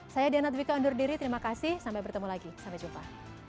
saya diana dwi kondur diri terima kasih sampai bertemu lagi sampai jumpa